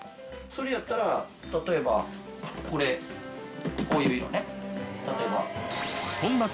それやったら例えばこれこういう色ね。